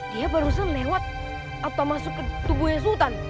dia barusan lewat atau masuk ke tubuhnya sultan